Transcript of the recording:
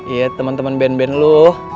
iya temen temen band band lo